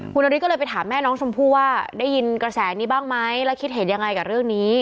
คุณนฤทธิก็เลยไปถามแม่น้องชมพู่ว่าได้ยินกระแสนี้บ้างไหมและคิดเห็นยังไงกับเรื่องนี้